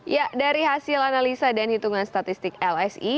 ya dari hasil analisa dan hitungan statistik lsi